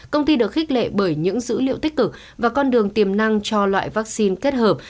công ty được khích lệ bởi những dữ liệu tích cực và con đường tiềm năng cho loại vaccine kết hợp